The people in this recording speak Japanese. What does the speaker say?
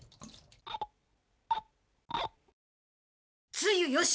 つゆよし！